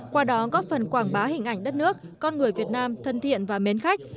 qua đó góp phần quảng bá hình ảnh đất nước con người việt nam thân thiện và mến khách